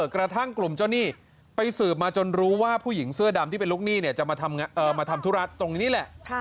กระทั่งกลุ่มเจ้าหนี้ไปสืบมาจนรู้ว่าผู้หญิงเสื้อดำที่เป็นลูกหนี้จะมาทำธุระตรงนี้แหละ